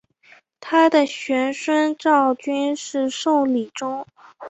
他的玄孙赵昀是宋理宗。